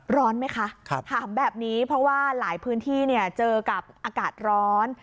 ร้อนไหมคะถามแบบนี้เพราะว่าหลายพื้นที่เจอกับอากาศร้อน